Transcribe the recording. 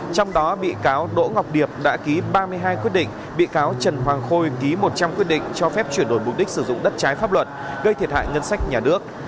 trong đó bị cáo đỗ ngọc điệp đã ký ba mươi hai quyết định bị cáo trần hoàng khôi ký một trăm linh quyết định cho phép chuyển đổi mục đích sử dụng đất trái pháp luật gây thiệt hại ngân sách nhà nước